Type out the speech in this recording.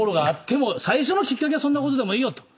最初のきっかけはそんなことでもいいよと。